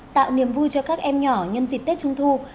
tạo niềm vui cho các em nhỏ nhân dịp tết trung thu